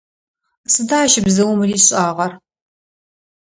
Сыда ащ бзыум ришӏагъэр?